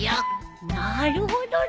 なるほどね。